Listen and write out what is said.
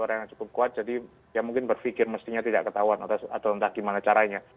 orang yang cukup kuat jadi ya mungkin berpikir mestinya tidak ketahuan atau entah gimana caranya